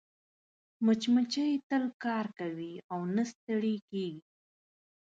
مچمچۍ تل کار کوي او نه ستړې کېږي